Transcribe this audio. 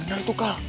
benar tuh kal